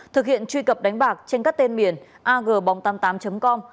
thực hiện truy cập đánh bạc trên các tên miền agbong tám mươi tám com